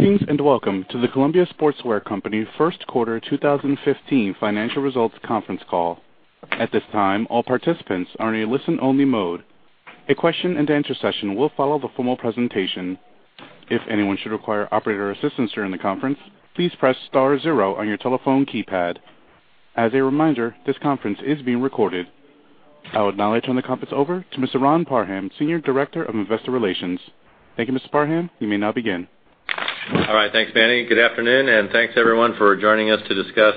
Greetings, welcome to the Columbia Sportswear Company first quarter 2015 financial results conference call. At this time, all participants are in a listen-only mode. A question and answer session will follow the formal presentation. If anyone should require operator assistance during the conference, please press star zero on your telephone keypad. As a reminder, this conference is being recorded. I would now like to turn the conference over to Mr. Ron Parham, Senior Director of Investor Relations. Thank you, Mr. Parham. You may now begin. All right. Thanks, Manny. Good afternoon, thanks, everyone, for joining us to discuss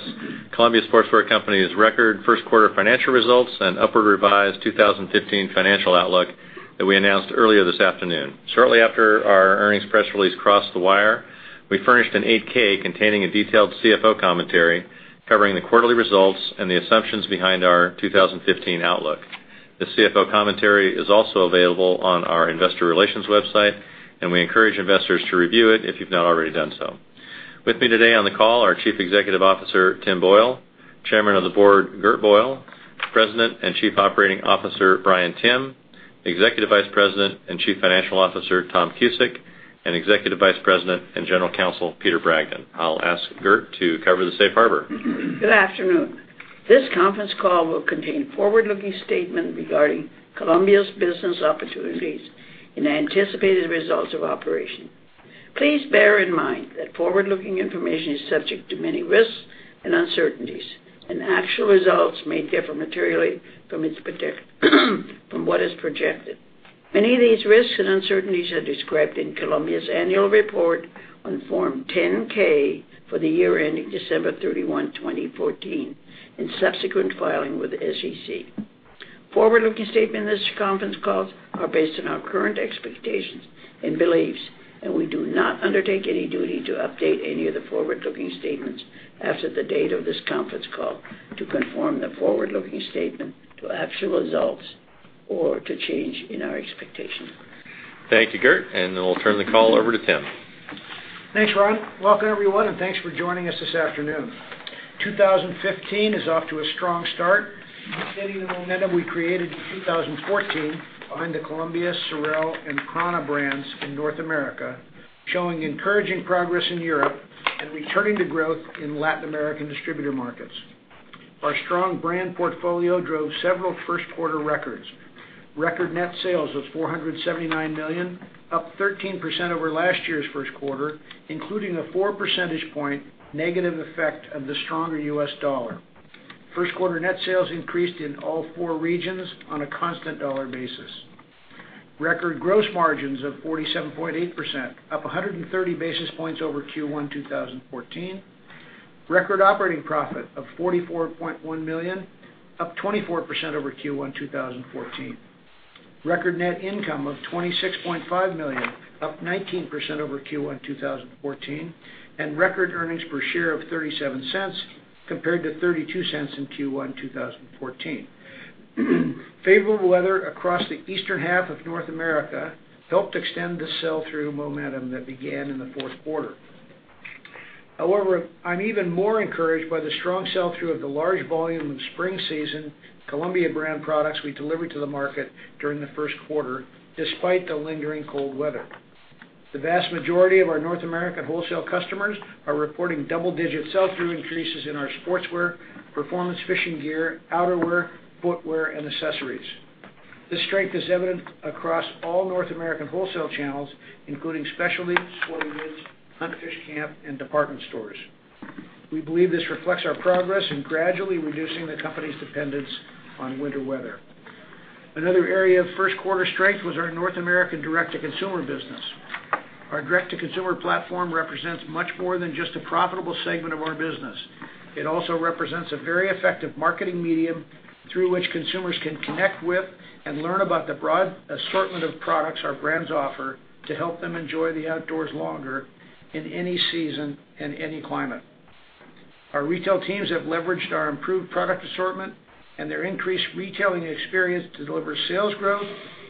Columbia Sportswear Company's record first quarter financial results and upward revised 2015 financial outlook that we announced earlier this afternoon. Shortly after our earnings press release crossed the wire, we furnished an 8-K containing a detailed CFO commentary covering the quarterly results and the assumptions behind our 2015 outlook. The CFO commentary is also available on our investor relations website, and we encourage investors to review it if you've not already done so. With me today on the call are Chief Executive Officer, Tim Boyle, Chairman of the Board, Gert Boyle, President and Chief Operating Officer, Bryan Timm, Executive Vice President and Chief Financial Officer, Tom Cusick, and Executive Vice President and General Counsel, Peter Bragdon. I'll ask Gert to cover the safe harbor. Good afternoon. This conference call will contain forward-looking statements regarding Columbia's business opportunities and anticipated results of operation. Please bear in mind that forward-looking information is subject to many risks and uncertainties, and actual results may differ materially from what is projected. Many of these risks and uncertainties are described in Columbia's annual report on Form 10-K for the year ending December 31, 2014, and subsequent filing with the SEC. Forward-looking statements in this conference call are based on our current expectations and beliefs. We do not undertake any duty to update any of the forward-looking statements after the date of this conference call to conform the forward-looking statement to actual results or to changes in our expectations. Thank you, Gert, then we'll turn the call over to Tim. Thanks, Ron. Welcome, everyone, and thanks for joining us this afternoon. 2015 is off to a strong start, continuing the momentum we created in 2014 behind the Columbia, Sorel, and prAna brands in North America, showing encouraging progress in Europe, and returning to growth in Latin American distributor markets. Our strong brand portfolio drove several first quarter records. Record net sales of $479 million, up 13% over last year's first quarter, including a four percentage point negative effect of the stronger U.S. dollar. First quarter net sales increased in all four regions on a constant dollar basis. Record gross margins of 47.8%, up 130 basis points over Q1 2014. Record operating profit of $44.1 million, up 24% over Q1 2014. Record net income of $26.5 million, up 19% over Q1 2014, and record earnings per share of $0.37 compared to $0.32 in Q1 2014. Favorable weather across the eastern half of North America helped extend the sell-through momentum that began in the fourth quarter. I'm even more encouraged by the strong sell-through of the large volume of spring season Columbia brand products we delivered to the market during the first quarter, despite the lingering cold weather. The vast majority of our North American wholesale customers are reporting double-digit sell-through increases in our sportswear, Performance Fishing Gear, outerwear, footwear, and accessories. This strength is evident across all North American wholesale channels, including specialty, sporting goods, hunt, fish, camp, and department stores. We believe this reflects our progress in gradually reducing the company's dependence on winter weather. Another area of first quarter strength was our North American direct-to-consumer business. Our direct-to-consumer platform represents much more than just a profitable segment of our business. It also represents a very effective marketing medium through which consumers can connect with and learn about the broad assortment of products our brands offer to help them enjoy the outdoors longer in any season and any climate. Our retail teams have leveraged our improved product assortment and their increased retailing experience to deliver sales growth,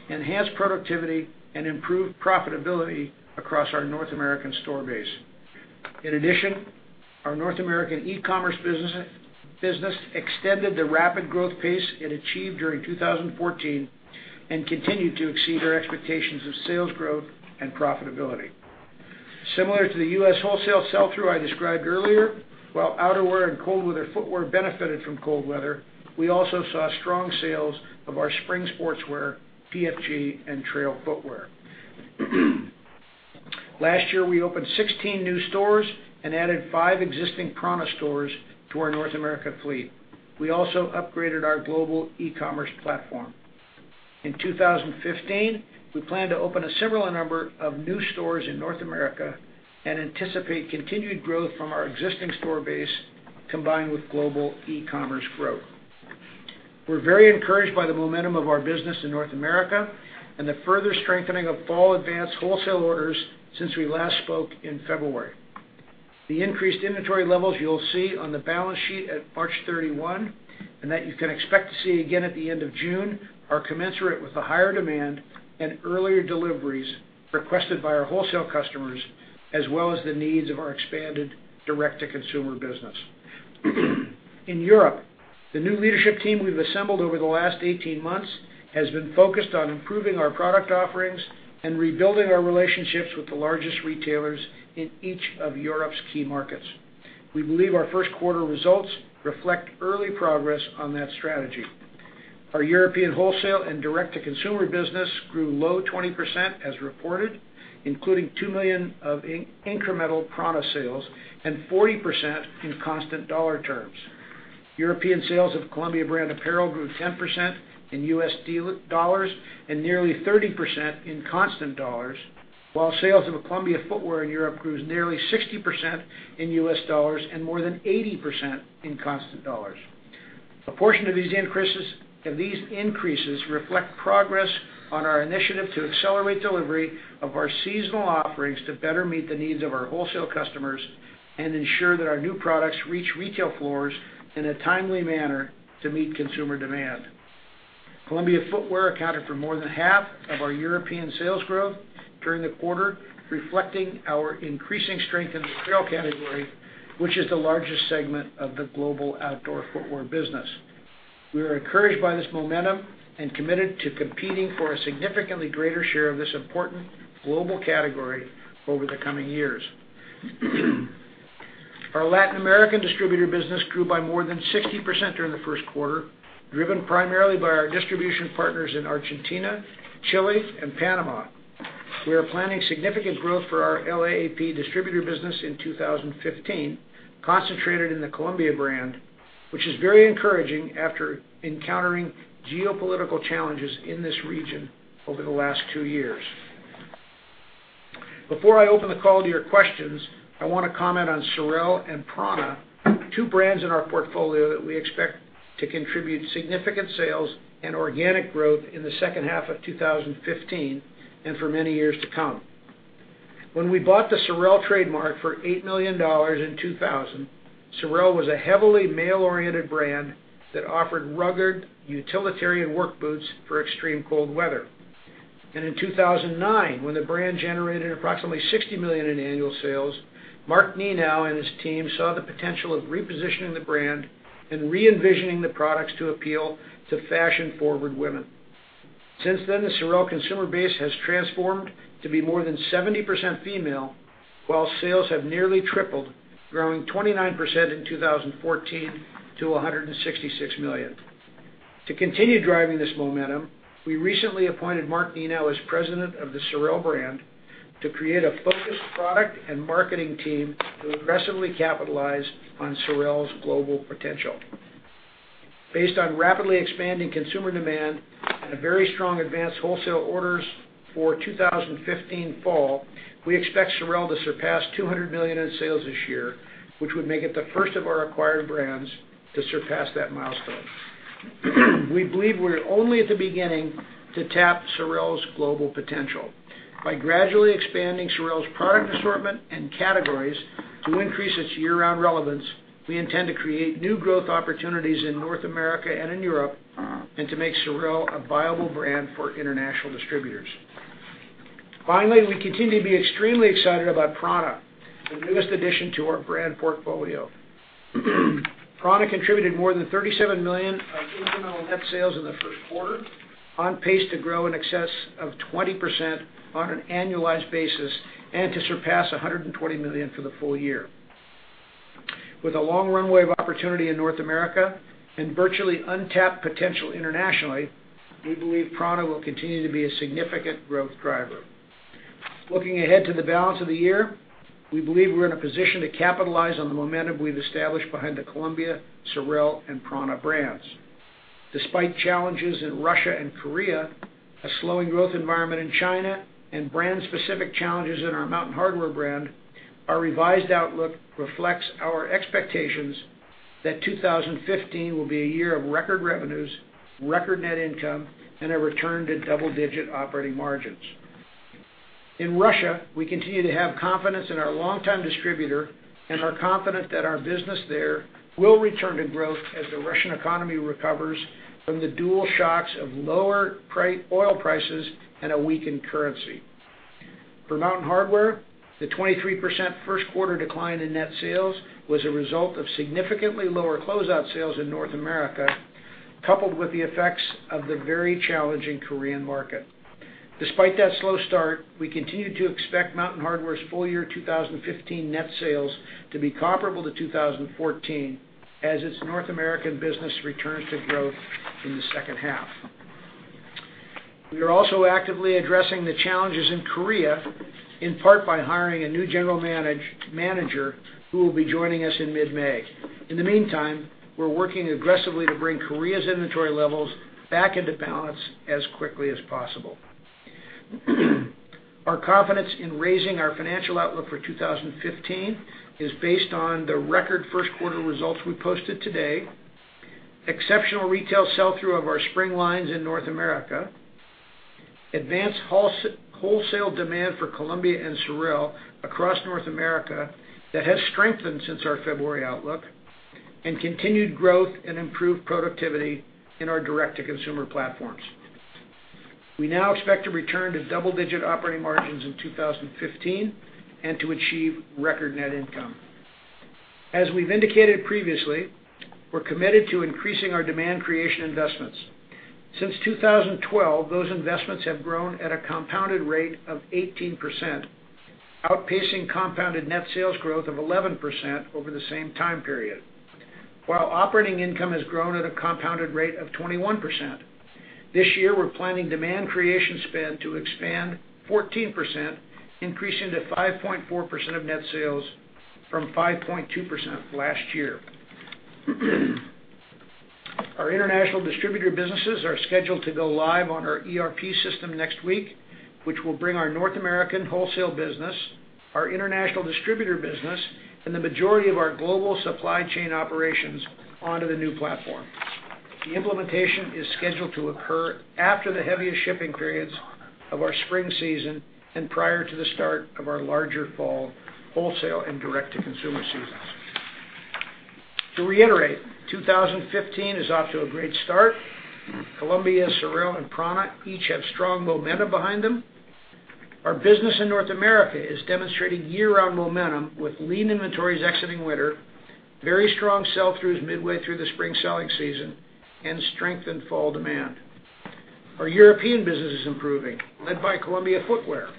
enhance productivity, and improve profitability across our North American store base. In addition, our North American e-commerce business extended the rapid growth pace it achieved during 2014 and continued to exceed our expectations of sales growth and profitability. Similar to the U.S. wholesale sell-through I described earlier, while outerwear and cold weather footwear benefited from cold weather, we also saw strong sales of our spring sportswear, PFG, and trail footwear. Last year, we opened 16 new stores and added five existing prAna stores to our North America fleet. We also upgraded our global e-commerce platform. In 2015, we plan to open a similar number of new stores in North America and anticipate continued growth from our existing store base combined with global e-commerce growth. We're very encouraged by the momentum of our business in North America and the further strengthening of fall advanced wholesale orders since we last spoke in February. The increased inventory levels you'll see on the balance sheet at March 31, and that you can expect to see again at the end of June, are commensurate with the higher demand and earlier deliveries requested by our wholesale customers, as well as the needs of our expanded direct-to-consumer business. In Europe, the new leadership team we've assembled over the last 18 months has been focused on improving our product offerings and rebuilding our relationships with the largest retailers in each of Europe's key markets. We believe our first quarter results reflect early progress on that strategy. Our European wholesale and direct-to-consumer business grew low 20% as reported, including $2 million of incremental prAna sales, and 40% in constant dollar terms. European sales of Columbia brand apparel grew 10% in U.S. dollars and nearly 30% in constant dollars, while sales of Columbia footwear in Europe grew nearly 60% in U.S. dollars and more than 80% in constant dollars. A portion of these increases reflect progress on our initiative to accelerate delivery of our seasonal offerings to better meet the needs of our wholesale customers and ensure that our new products reach retail floors in a timely manner to meet consumer demand. Columbia footwear accounted for more than half of our European sales growth during the quarter, reflecting our increasing strength in the trail category, which is the largest segment of the global outdoor footwear business. We are encouraged by this momentum and committed to competing for a significantly greater share of this important global category over the coming years. Our Latin American distributor business grew by more than 60% during the first quarter, driven primarily by our distribution partners in Argentina, Chile, and Panama. We are planning significant growth for our LAAP distributor business in 2015, concentrated in the Columbia brand, which is very encouraging after encountering geopolitical challenges in this region over the last two years. Before I open the call to your questions, I want to comment on Sorel and prAna, two brands in our portfolio that we expect to contribute significant sales and organic growth in the second half of 2015 and for many years to come. When we bought the Sorel trademark for $8 million in 2000, Sorel was a heavily male-oriented brand that offered rugged, utilitarian work boots for extreme cold weather. In 2009, when the brand generated approximately $60 million in annual sales, Mark Nenow and his team saw the potential of repositioning the brand and re-envisioning the products to appeal to fashion-forward women. Since then, the Sorel consumer base has transformed to be more than 70% female, while sales have nearly tripled, growing 29% in 2014 to $166 million. To continue driving this momentum, we recently appointed Mark Nenow as president of the Sorel brand to create a focused product and marketing team to aggressively capitalize on Sorel's global potential. Based on rapidly expanding consumer demand and a very strong advanced wholesale orders for 2015 fall, we expect Sorel to surpass $200 million in sales this year, which would make it the first of our acquired brands to surpass that milestone. We believe we're only at the beginning to tap Sorel's global potential. By gradually expanding Sorel's product assortment and categories to increase its year-round relevance, we intend to create new growth opportunities in North America and in Europe, and to make Sorel a viable brand for international distributors. Finally, we continue to be extremely excited about prAna, the newest addition to our brand portfolio. prAna contributed more than $37 million of incremental net sales in the first quarter, on pace to grow in excess of 20% on an annualized basis, and to surpass $120 million for the full year. With a long runway of opportunity in North America and virtually untapped potential internationally, we believe prAna will continue to be a significant growth driver. Looking ahead to the balance of the year, we believe we're in a position to capitalize on the momentum we've established behind the Columbia, Sorel, and prAna brands. Despite challenges in Russia and Korea, a slowing growth environment in China, and brand-specific challenges in our Mountain Hardwear brand, our revised outlook reflects our expectations that 2015 will be a year of record revenues, record net income, and a return to double-digit operating margins. In Russia, we continue to have confidence in our longtime distributor and are confident that our business there will return to growth as the Russian economy recovers from the dual shocks of lower oil prices and a weakened currency. For Mountain Hardwear, the 23% first quarter decline in net sales was a result of significantly lower closeout sales in North America, coupled with the effects of the very challenging Korean market. Despite that slow start, we continue to expect Mountain Hardwear's full-year 2015 net sales to be comparable to 2014 as its North American business returns to growth in the second half. We are also actively addressing the challenges in Korea, in part by hiring a new general manager who will be joining us in mid-May. In the meantime, we're working aggressively to bring Korea's inventory levels back into balance as quickly as possible. Our confidence in raising our financial outlook for 2015 is based on the record first quarter results we posted today, exceptional retail sell-through of our spring lines in North America, advanced wholesale demand for Columbia and Sorel across North America that has strengthened since our February outlook, and continued growth and improved productivity in our direct-to-consumer platforms. We now expect to return to double-digit operating margins in 2015 and to achieve record net income. As we've indicated previously, we're committed to increasing our demand creation investments. Since 2012, those investments have grown at a compounded rate of 18%, outpacing compounded net sales growth of 11% over the same time period, while operating income has grown at a compounded rate of 21%. This year, we're planning demand creation spend to expand 14%, increasing to 5.4% of net sales from 5.2% last year. Our international distributor businesses are scheduled to go live on our ERP system next week, which will bring our North American wholesale business, our international distributor business, and the majority of our global supply chain operations onto the new platform. The implementation is scheduled to occur after the heaviest shipping periods of our spring season and prior to the start of our larger fall wholesale and direct-to-consumer seasons. To reiterate, 2015 is off to a great start. Columbia, Sorel, and prAna each have strong momentum behind them. Our business in North America is demonstrating year-round momentum with lean inventories exiting winter, very strong sell-throughs midway through the spring selling season, and strengthened fall demand. Our European business is improving, led by Columbia footwear.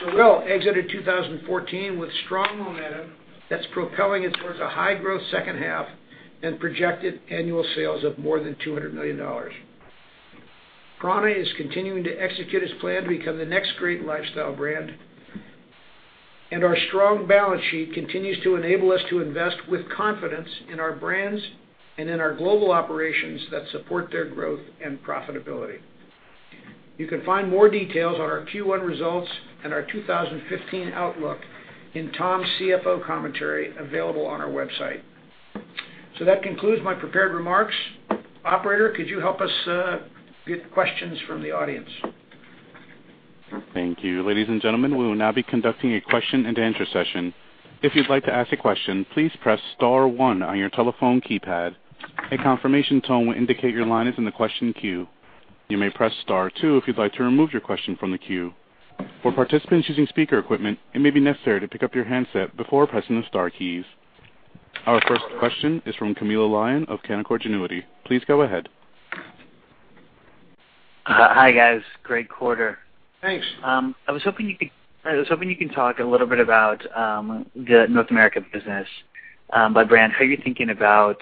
Sorel exited 2014 with strong momentum that's propelling it towards a high-growth second half and projected annual sales of more than $200 million. prAna is continuing to execute its plan to become the next great lifestyle brand. Our strong balance sheet continues to enable us to invest with confidence in our brands and in our global operations that support their growth and profitability. You can find more details on our Q1 results and our 2015 outlook in Tom's CFO commentary available on our website. That concludes my prepared remarks. Operator, could you help us get questions from the audience? Thank you. Ladies and gentlemen, we will now be conducting a question-and-answer session. If you'd like to ask a question, please press *1 on your telephone keypad. A confirmation tone will indicate your line is in the question queue. You may press *2 if you'd like to remove your question from the queue. For participants using speaker equipment, it may be necessary to pick up your handset before pressing the star keys. Our first question is from Camilo Lyon of Canaccord Genuity. Please go ahead. Hi, guys. Great quarter. Thanks. I was hoping you can talk a little bit about the North America business by brand. How are you thinking about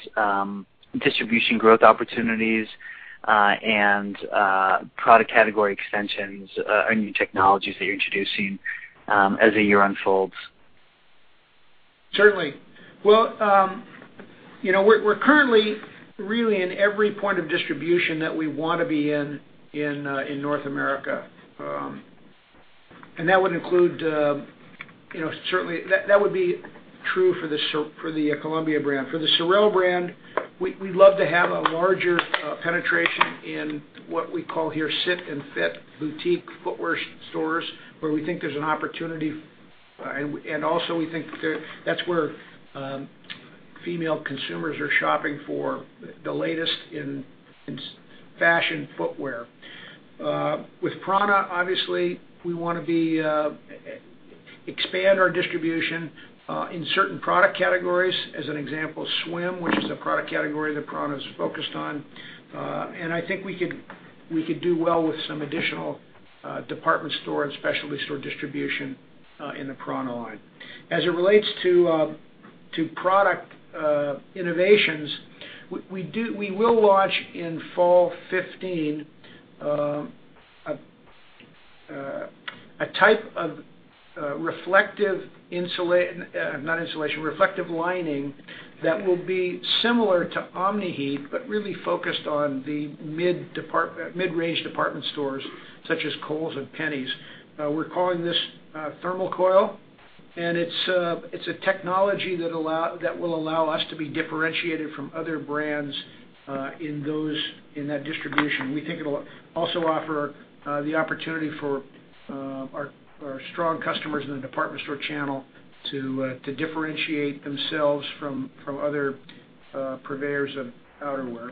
distribution growth opportunities and product category extensions or new technologies that you're introducing as the year unfolds? Certainly. Well, we're currently really in every point of distribution that we want to be in North America. That would be true for the Columbia brand. For the Sorel brand, we'd love to have a larger penetration in what we call here sit-and-fit boutique footwear stores, where we think there's an opportunity. Also we think that's where female consumers are shopping for the latest in fashion footwear. With prAna, obviously, we want to expand our distribution in certain product categories, as an example, swim, which is a product category that prAna's focused on. I think we could do well with some additional department store and specialty store distribution in the prAna line. As it relates to product innovations, we will launch in fall 2015, a type of reflective lining that will be similar to Omni-Heat, but really focused on the mid-range department stores such as Kohl's and JCPenney. We're calling this Thermal Coil, a technology that will allow us to be differentiated from other brands in that distribution. We think it'll also offer the opportunity for our strong customers in the department store channel to differentiate themselves from other purveyors of outerwear.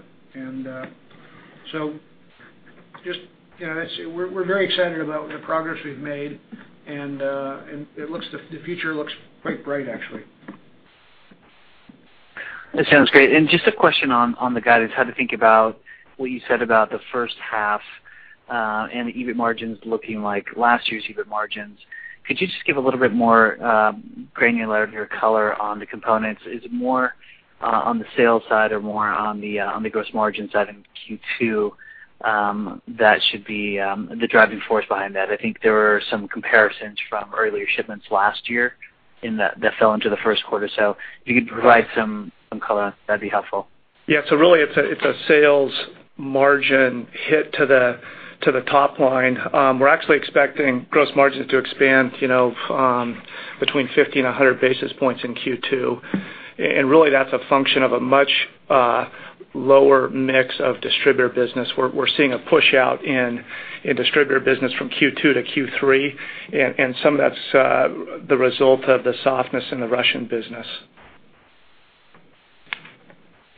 We're very excited about the progress we've made, and the future looks quite bright, actually. That sounds great. Just a question on the guidance, how to think about what you said about the first half and the EBIT margins looking like last year's EBIT margins. Could you just give a little bit more granularity or color on the components? Is it more on the sales side or more on the gross margin side in Q2 that should be the driving force behind that? I think there were some comparisons from earlier shipments last year that fell into the first quarter. If you could provide some color, that'd be helpful. Yeah. Really, it's a sales margin hit to the top line. We're actually expecting gross margins to expand between 50 and 100 basis points in Q2. Really that's a function of a much lower mix of distributor business. We're seeing a push-out in distributor business from Q2 to Q3, and some of that's the result of the softness in the Russian business.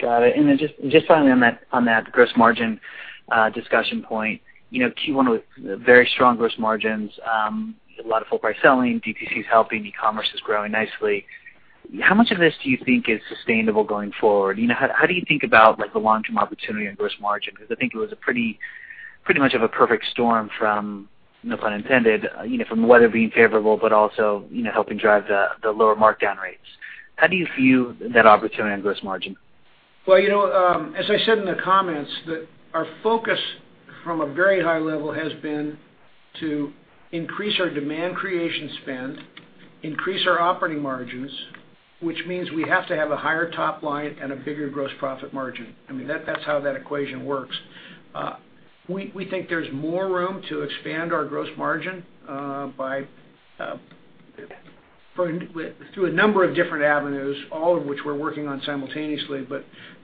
Got it. Just finally on that gross margin discussion point. Q1 with very strong gross margins, a lot of full price selling, D2C is helping, e-commerce is growing nicely. How much of this do you think is sustainable going forward? How do you think about the long-term opportunity on gross margin? Because I think it was pretty much of a perfect storm, no pun intended, from the weather being favorable, but also helping drive the lower markdown rates. How do you view that opportunity on gross margin? Well, as I said in the comments, that our focus from a very high level has been to increase our demand creation spend, increase our operating margins, which means we have to have a higher top line and a bigger gross profit margin. I mean, that's how that equation works. We think there's more room to expand our gross margin through a number of different avenues, all of which we're working on simultaneously.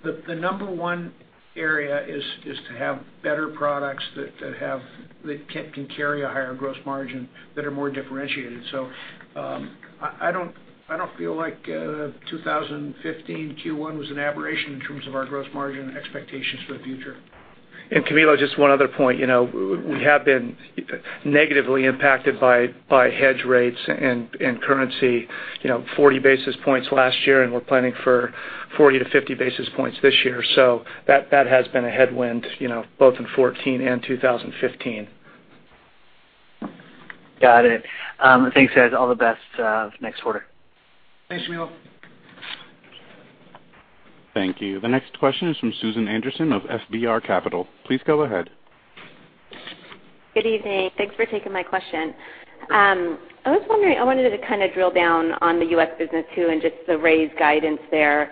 The number 1 area is to have better products that can carry a higher gross margin, that are more differentiated. I don't feel like 2015 Q1 was an aberration in terms of our gross margin expectations for the future. Camilo, just 1 other point. We have been negatively impacted by hedge rates and currency, 40 basis points last year, and we're planning for 40 to 50 basis points this year. That has been a headwind, both in 2014 and 2015. Got it. Thanks, guys. All the best next quarter. Thanks, Camilo. Thank you. The next question is from Susan Anderson of FBR Capital. Please go ahead. Good evening. Thanks for taking my question. I was wondering, I wanted to kind of drill down on the U.S. business too, and just the raised guidance there.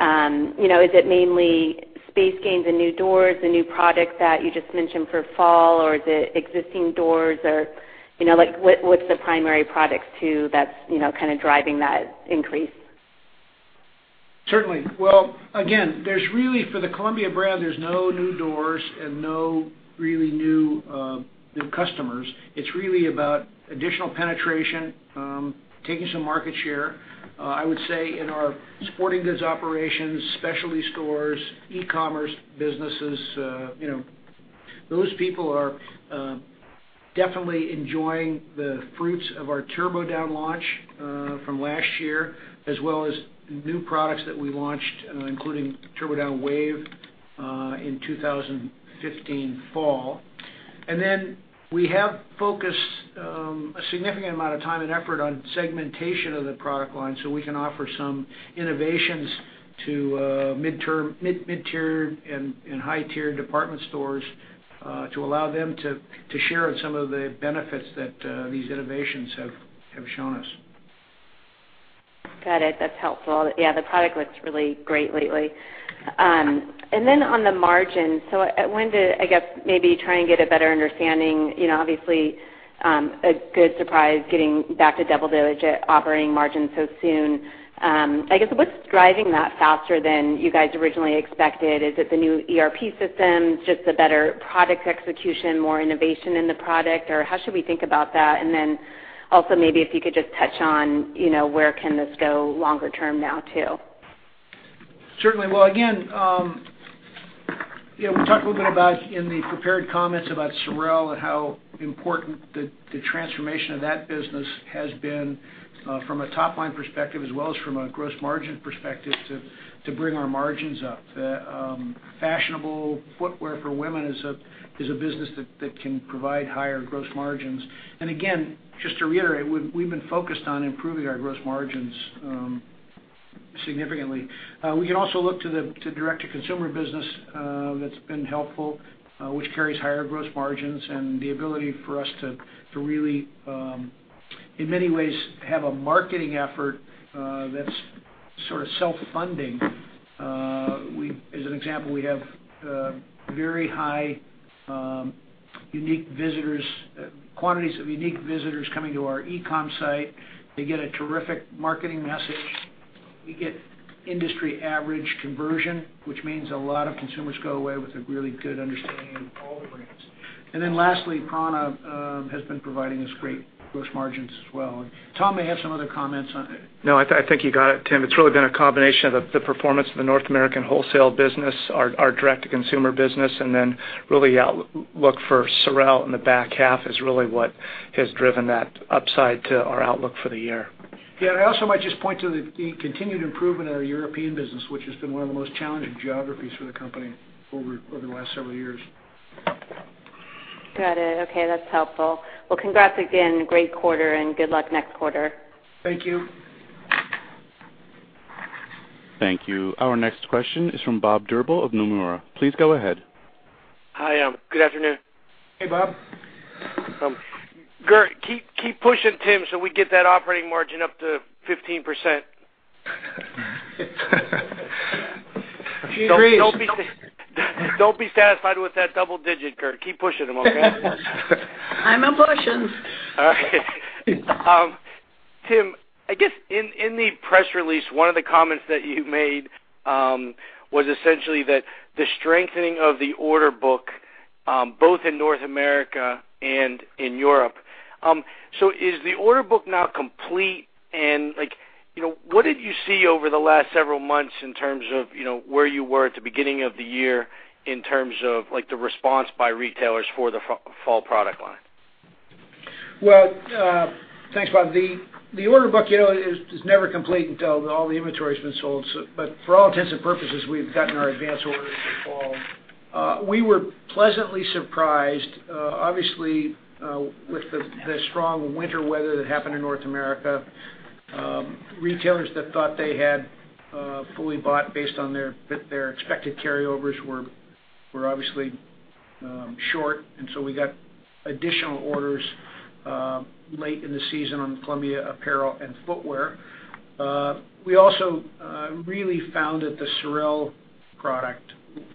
Is it mainly space gains and new doors, the new product that you just mentioned for fall, or is it existing doors or what's the primary product too that's kind of driving that increase? Certainly. Well, again, for the Columbia brand, there's no new doors and no really new customers. It's really about additional penetration, taking some market share. I would say in our sporting goods operations, specialty stores, e-commerce businesses, those people are definitely enjoying the fruits of our TurboDown launch from last year, as well as new products that we launched, including TurboDown Wave in 2015 fall. We have focused a significant amount of time and effort on segmentation of the product line so we can offer some innovations to mid-tier and high-tier department stores to allow them to share in some of the benefits that these innovations have shown us. Got it. That's helpful. Yeah, the product looks really great lately. On the margin, I wanted to, I guess, maybe try and get a better understanding. Obviously, a good surprise getting back to double-digit operating margin so soon. I guess, what's driving that faster than you guys originally expected? Is it the new ERP system? Just a better product execution, more innovation in the product, or how should we think about that? Also maybe if you could just touch on where can this go longer term now, too? Certainly. Well, again, we talked a little bit in the prepared comments about Sorel and how important the transformation of that business has been from a top-line perspective as well as from a gross margin perspective to bring our margins up. Fashionable footwear for women is a business that can provide higher gross margins. Again, just to reiterate, we've been focused on improving our gross margins significantly. We can also look to the direct-to-consumer business that's been helpful, which carries higher gross margins and the ability for us to really, in many ways, have a marketing effort that's sort of self-funding. As an example, we have very high quantities of unique visitors coming to our e-com site. They get a terrific marketing message. We get industry average conversion, which means a lot of consumers go away with a really good understanding of all the brands. Lastly, prAna has been providing us great gross margins as well. Tom may have some other comments on it. No, I think you got it, Tim. It's really been a combination of the performance of the North American wholesale business, our direct-to-consumer business, and then really outlook for Sorel in the back half is really what has driven that upside to our outlook for the year. Yeah, and I also might just point to the continued improvement in our European business, which has been one of the most challenging geographies for the company over the last several years. Got it. Okay, that's helpful. Well, congrats again. Great quarter and good luck next quarter. Thank you. Thank you. Our next question is from Bob Drbul of Nomura. Please go ahead. Hi. Good afternoon. Hey, Bob. Gert, keep pushing Tim so we get that operating margin up to 15%. She agrees. Don't be satisfied with that double digit, Gert. Keep pushing him, okay? I'm a-pushing. All right. Tim, I guess in the press release, one of the comments that you made was essentially that the strengthening of the order book Both in North America and in Europe. Is the order book now complete? What did you see over the last several months in terms of where you were at the beginning of the year in terms of the response by retailers for the fall product line? Well, thanks, Bob. The order book is never complete until all the inventory's been sold. For all intents and purposes, we've gotten our advance orders for fall. We were pleasantly surprised, obviously, with the strong winter weather that happened in North America. Retailers that thought they had fully bought based on their expected carryovers were obviously short. We got additional orders late in the season on Columbia apparel and footwear. We also really found that the Sorel product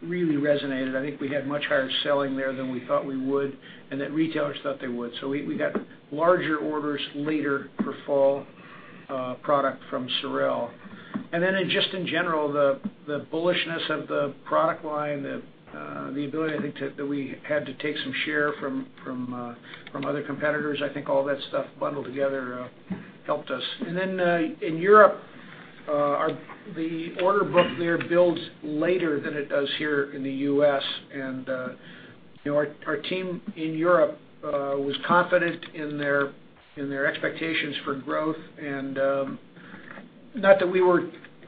really resonated. I think we had much higher selling there than we thought we would, and that retailers thought they would. We got larger orders later for fall product from Sorel. Just in general, the bullishness of the product line, the ability, I think, that we had to take some share from other competitors, I think all that stuff bundled together helped us. In Europe, the order book there builds later than it does here in the U.S. Our team in Europe was confident in their expectations for growth and, not that we were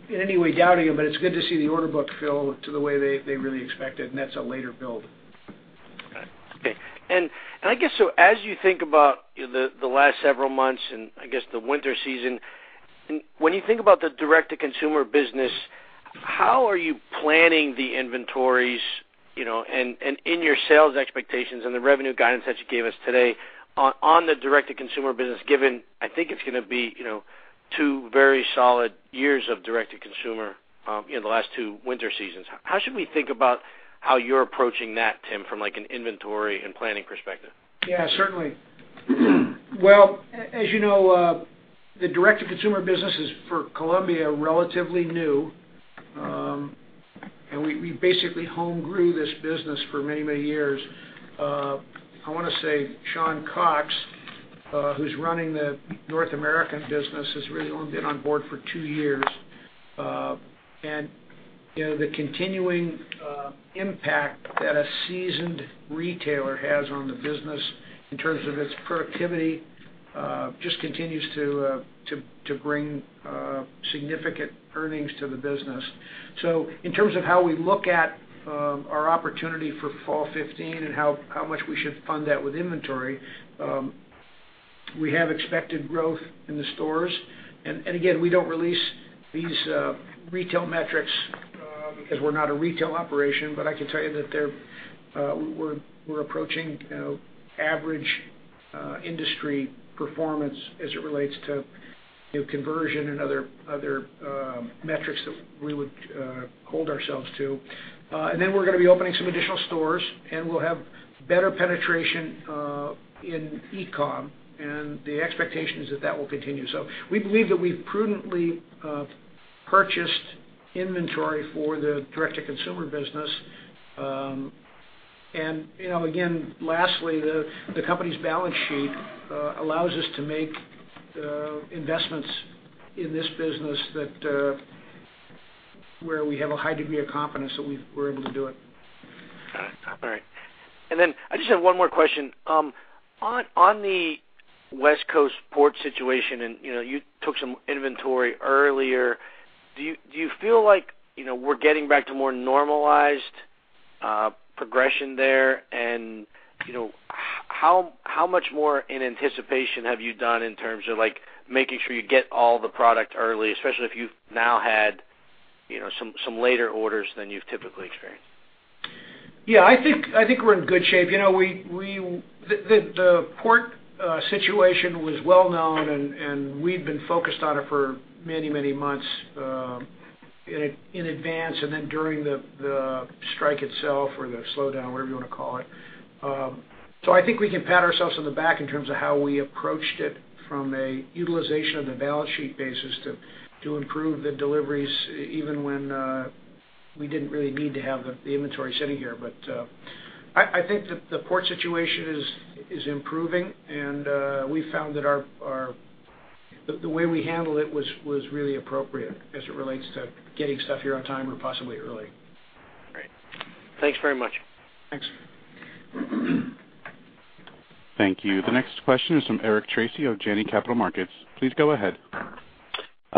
in any way doubting it's good to see the order book fill to the way they really expected, and that's a later build. Got it. Okay. I guess as you think about the last several months and, I guess, the winter season, when you think about the direct-to-consumer business, how are you planning the inventories and in your sales expectations and the revenue guidance that you gave us today on the direct-to-consumer business, given, I think it's going to be two very solid years of direct-to-consumer in the last two winter seasons. How should we think about how you're approaching that, Tim, from an inventory and planning perspective? Yeah, certainly. Well, as you know, the direct-to-consumer business is, for Columbia, relatively new. We basically home grew this business for many years. I want to say Joe Boyle, who's running the North American business, has really only been on board for two years. The continuing impact that a seasoned retailer has on the business in terms of its productivity, just continues to bring significant earnings to the business. In terms of how we look at our opportunity for fall 2015 and how much we should fund that with inventory, we have expected growth in the stores. Again, we don't release these retail metrics because we're not a retail operation. I can tell you that we're approaching average industry performance as it relates to conversion and other metrics that we would hold ourselves to. We're going to be opening some additional stores, we'll have better penetration in e-com and the expectation is that that will continue. We believe that we've prudently purchased inventory for the direct-to-consumer business. Again, lastly, the company's balance sheet allows us to make investments in this business where we have a high degree of confidence that we're able to do it. Got it. All right. I just have one more question. On the West Coast port situation, you took some inventory earlier, do you feel like we're getting back to more normalized progression there? How much more in anticipation have you done in terms of making sure you get all the product early, especially if you've now had some later orders than you've typically experienced? Yeah, I think we're in good shape. The port situation was well known, we'd been focused on it for many months in advance, during the strike itself or the slowdown, whatever you want to call it. I think we can pat ourselves on the back in terms of how we approached it from a utilization of the balance sheet basis to improve the deliveries, even when we didn't really need to have the inventory sitting here. I think that the port situation is improving, we found that the way we handled it was really appropriate as it relates to getting stuff here on time or possibly early. Great. Thanks very much. Thanks. Thank you. The next question is from Eric Tracy of Janney Montgomery Scott. Please go ahead.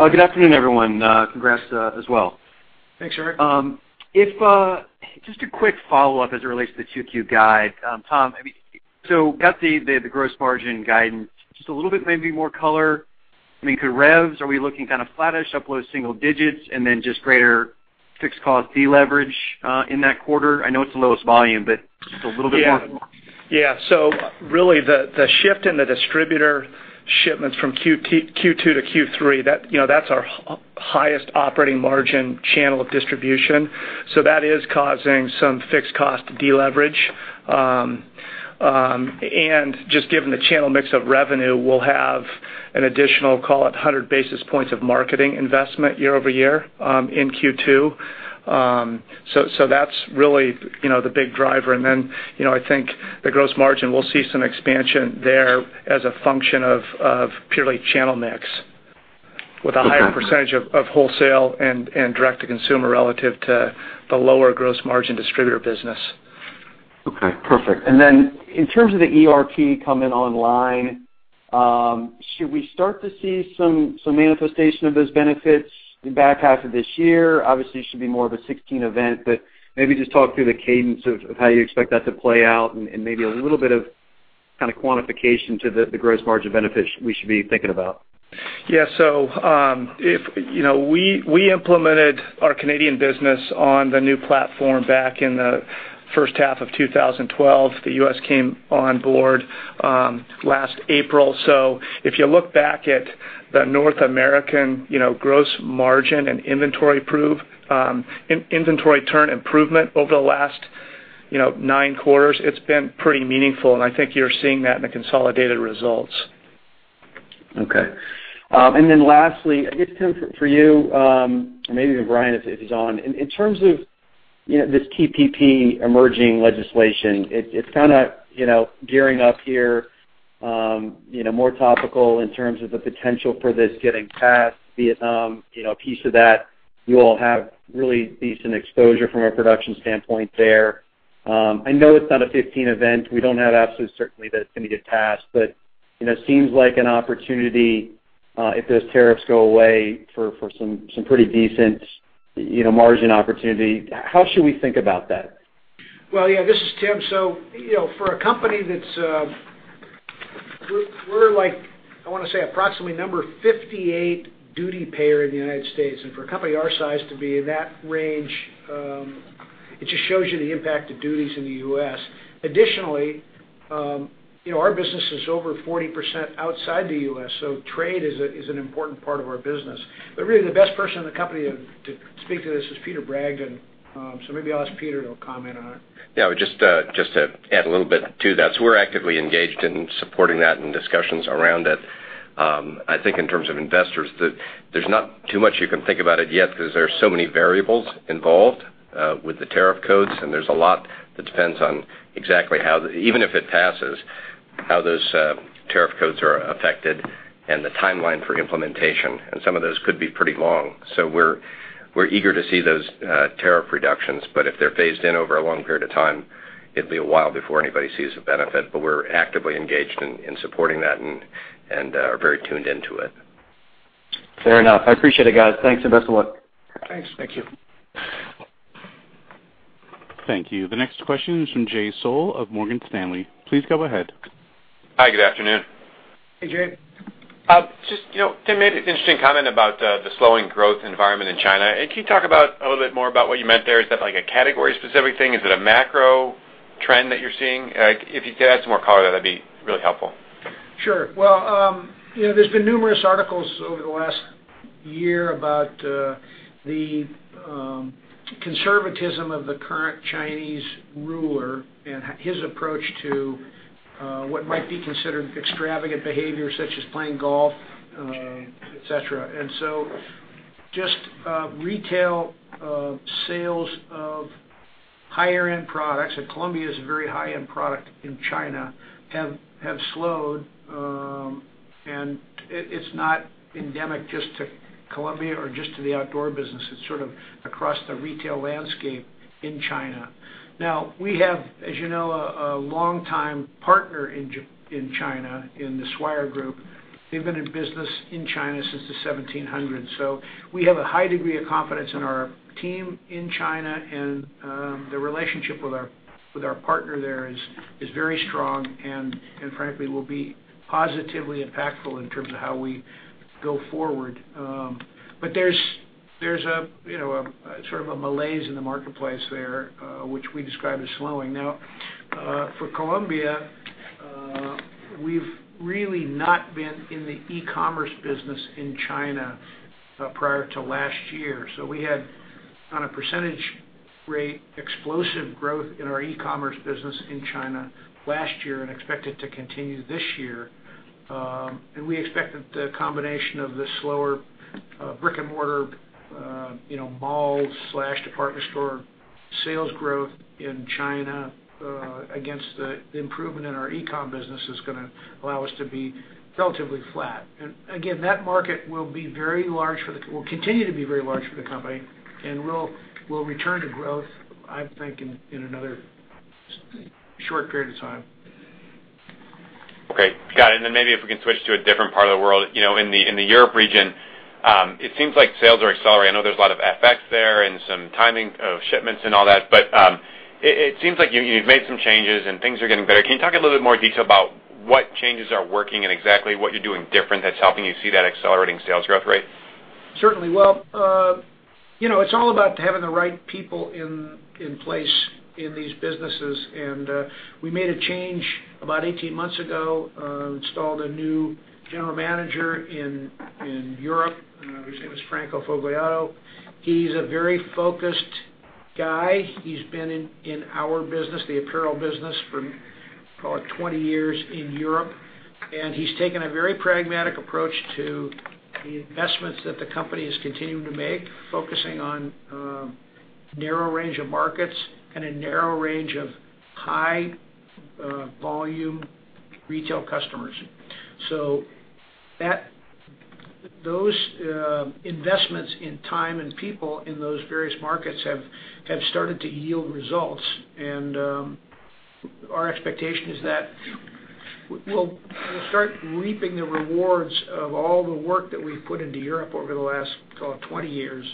Good afternoon, everyone. Congrats as well. Thanks, Eric. Just a quick follow-up as it relates to the 2Q guide. Tom, got the gross margin guidance, just a little bit maybe more color. I mean, could revs, are we looking kind of flattish, up low single digits, and then just greater fixed cost deleverage in that quarter? I know it's the lowest volume, but just a little bit more. Really the shift in the distributor shipments from Q2 to Q3, that's our highest operating margin channel of distribution. That is causing some fixed cost deleverage. Just given the channel mix of revenue, we'll have an additional, call it 100 basis points of marketing investment year-over-year in Q2. That's really the big driver. Then, I think the gross margin, we'll see some expansion there as a function of purely channel mix with a higher percentage of wholesale and direct-to-consumer relative to the lower gross margin distributor business. Okay, perfect. Then in terms of the ERP coming online, should we start to see some manifestation of those benefits in the back half of this year? Obviously, it should be more of a 2016 event, maybe just talk through the cadence of how you expect that to play out and maybe a little bit of kind of quantification to the gross margin benefits we should be thinking about. Yeah. We implemented our Canadian business on the new platform back in the first half of 2012. The U.S. came on board last April. If you look back at the North American gross margin and inventory turn improvement over the last nine quarters, it's been pretty meaningful, and I think you're seeing that in the consolidated results. Lastly, I guess, Tim, for you, maybe Bryan, if he's on. In terms of this TPP emerging legislation, it's kind of gearing up here, more topical in terms of the potential for this getting passed. Vietnam, a piece of that, you all have really decent exposure from a production standpoint there. I know it's not a 2015 event. We don't have absolute certainty that it's going to get passed, it seems like an opportunity, if those tariffs go away, for some pretty decent margin opportunity. How should we think about that? Well, yeah, this is Tim. For a company that's We're like, I want to say, approximately number 58 duty payer in the U.S., for a company our size to be in that range, it just shows you the impact of duties in the U.S. Additionally, our business is over 40% outside the U.S., trade is an important part of our business. Really, the best person in the company to speak to this is Peter Bragdon. Maybe I'll ask Peter to comment on it. Yeah, just to add a little bit to that. We're actively engaged in supporting that and discussions around it. I think in terms of investors, there's not too much you can think about it yet because there are so many variables involved with the tariff codes, there's a lot that depends on exactly how, even if it passes, how those tariff codes are affected and the timeline for implementation. Some of those could be pretty long. We're eager to see those tariff reductions, if they're phased in over a long period of time, it'll be a while before anybody sees the benefit. We're actively engaged in supporting that and are very tuned into it. Fair enough. I appreciate it, guys. Thanks, best of luck. Thanks. Thank you. Thank you. The next question is from Jay Sole of Morgan Stanley. Please go ahead. Hi, good afternoon. Hey, Jay. Just, Tim made an interesting comment about the slowing growth environment in China. Can you talk about a little bit more about what you meant there? Is that like a category-specific thing? Is it a macro trend that you're seeing? If you could add some more color, that'd be really helpful. Sure. Well, there's been numerous articles over the last year about the conservatism of the current Chinese ruler and his approach to what might be considered extravagant behavior such as playing golf, et cetera. Just retail sales of higher-end products, and Columbia is a very high-end product in China, have slowed. It's not endemic just to Columbia or just to the outdoor business. It's sort of across the retail landscape in China. We have, as you know, a long-time partner in China in the Swire Group. They've been in business in China since the 1700s. We have a high degree of confidence in our team in China, and the relationship with our partner there is very strong and frankly, will be positively impactful in terms of how we go forward. There's sort of a malaise in the marketplace there, which we describe as slowing. For Columbia, we've really not been in the e-commerce business in China prior to last year. We had, on a percentage rate, explosive growth in our e-commerce business in China last year and expect it to continue this year. We expect that the combination of the slower brick-and-mortar mall/department store sales growth in China against the improvement in our e-com business is going to allow us to be relatively flat. Again, that market will continue to be very large for the company, and will return to growth, I think, in another short period of time. Okay. Got it. Then maybe if we can switch to a different part of the world. In the Europe region, it seems like sales are accelerating. I know there's a lot of effects there and some timing of shipments and all that, but it seems like you've made some changes and things are getting better. Can you talk a little bit more detail about what changes are working and exactly what you're doing different that's helping you see that accelerating sales growth rate? Certainly. Well, it's all about having the right people in place in these businesses. We made a change about 18 months ago, installed a new general manager in Europe. His name is Franco Fogliato. He's a very focused guy, he's been in our business, the apparel business, for probably 20 years in Europe, and he's taken a very pragmatic approach to the investments that the company is continuing to make, focusing on a narrow range of markets and a narrow range of high-volume retail customers. Those investments in time and people in those various markets have started to yield results, and our expectation is that we'll start reaping the rewards of all the work that we've put into Europe over the last call it 20 years,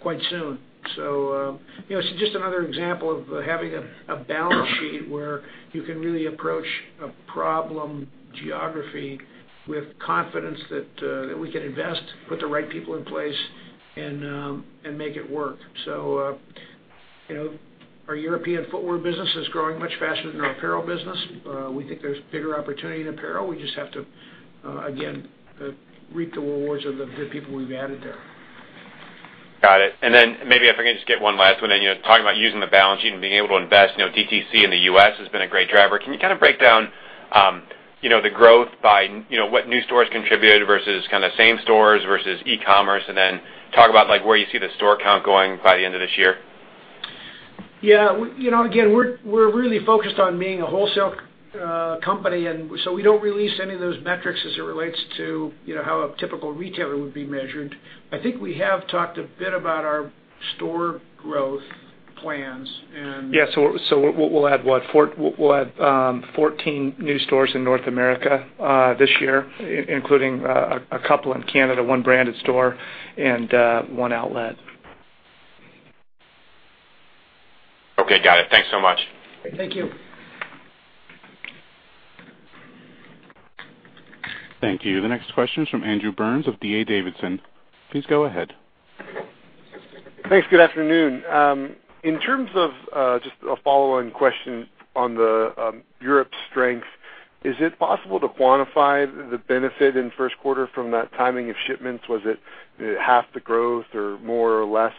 quite soon. It's just another example of having a balance sheet where you can really approach a problem geography with confidence that we can invest, put the right people in place, and make it work. Our European footwear business is growing much faster than our apparel business. We think there's bigger opportunity in apparel. We just have to, again, reap the rewards of the people we've added there. Got it. Maybe if I can just get one last one. Talking about using the balance sheet and being able to invest, DTC in the U.S. has been a great driver. Can you break down the growth by what new stores contributed versus same stores versus e-commerce? Talk about where you see the store count going by the end of this year. Yeah. Again, we're really focused on being a wholesale company, we don't release any of those metrics as it relates to how a typical retailer would be measured. I think we have talked a bit about our store growth plans. Yeah. We'll add what? We'll add 14 new stores in North America, this year, including a couple in Canada, one branded store and one outlet. Okay. Got it. Thanks so much. Thank you. Thank you. The next question is from Andrew Burns of D.A. Davidson. Please go ahead. Thanks. Good afternoon. Just a follow-on question on the Europe strength, is it possible to quantify the benefit in the first quarter from that timing of shipments? Was it half the growth or more or less?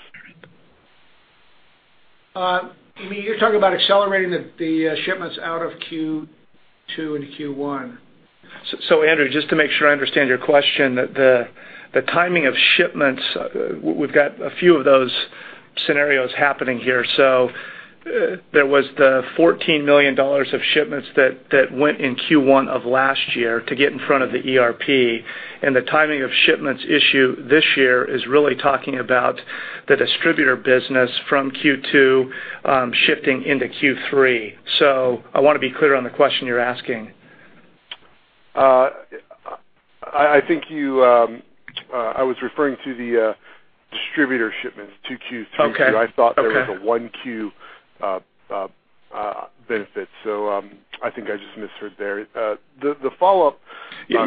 You're talking about accelerating the shipments out of Q2 into Q1. Andrew, just to make sure I understand your question, the timing of shipments, we've got a few of those scenarios happening here. There was the $14 million of shipments that went in Q1 of last year to get in front of the ERP and the timing of shipments issue this year is really talking about the distributor business from Q2, shifting into Q3. I want to be clear on the question you're asking. I was referring to the distributor shipments to Q3. Okay. I thought there was a 1Q benefit. I think I just misheard there. The follow-up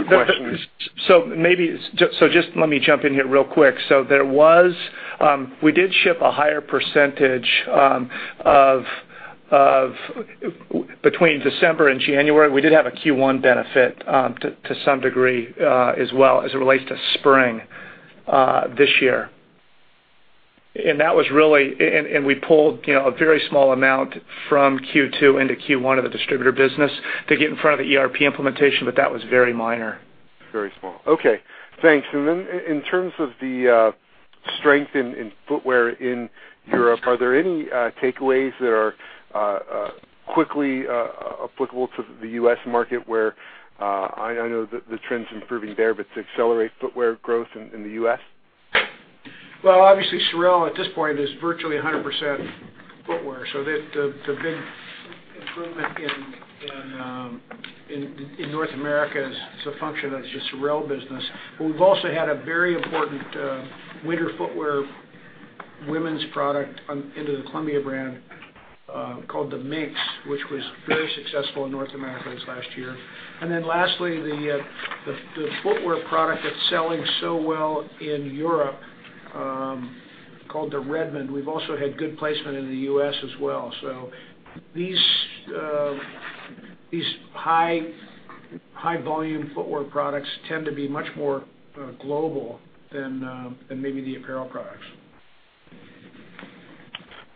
question is. Just let me jump in here real quick. We did ship a higher percentage between December and January. We did have a Q1 benefit, to some degree, as well as it relates to spring this year. We pulled a very small amount from Q2 into Q1 of the distributor business to get in front of the ERP implementation, but that was very minor. Very small. Okay, thanks. Then in terms of the strength in footwear in Europe, are there any takeaways that are quickly applicable to the U.S. market where I know the trends improving there, but to accelerate footwear growth in the U.S.? Well, obviously, Sorel at this point is virtually 100% footwear. The big improvement in North America is a function of the Sorel business. We've also had a very important winter footwear women's product into the Columbia brand, called the Minx, which was very successful in North America this last year. Then lastly, the footwear product that's selling so well in Europe, called the Redmond. We've also had good placement in the U.S. as well. These high-volume footwear products tend to be much more global than maybe the apparel products.